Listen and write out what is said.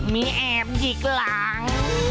มีแอบหยิกหลัง